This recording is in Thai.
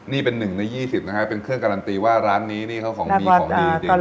นี่เป็น๑ใน๒๐นะฮะเป็นเครื่องการันตีว่าร้านนี้นี่เขาของดีของดีจริง